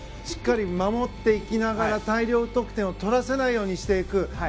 しっかり守っていきながら大量得点を取らせないようにしていく。